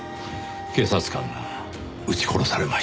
警察官が撃ち殺されました。